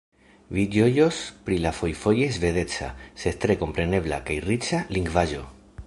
Vi ĝojos pri la fojfoje svedeca, sed tre komprenebla kaj riĉa lingvaĵo.